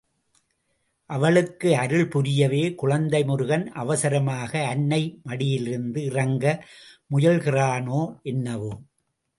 அவளுக்கு அருள் புரியவே குழந்தை முருகன் அவசரமாக அன்னை மடியிலிருந்து இறங்க முயல்கிறானோ என்னவோ.